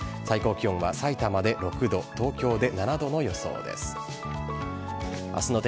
最高気温はさいたまで６度、東京で７度の予想です。